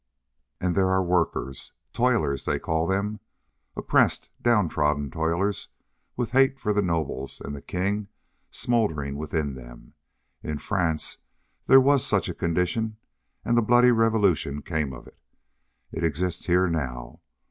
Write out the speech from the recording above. "And there are workers, toilers they call them. Oppressed, down trodden toilers, with hate for the nobles and the king smoldering within them. In France there was such a condition, and the bloody revolution came of it. It exists here now.